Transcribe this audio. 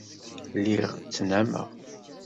Lliɣ ttnameɣ.